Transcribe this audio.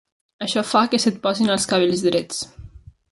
Això fa que se't posin els cabells drets.